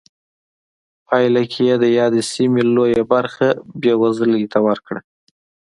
پایله کې یې د یادې سیمې لویه برخه بېوزلۍ ته ورکړه.